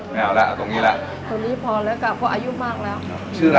ไม่เอาล่ะตรงนี้แหละ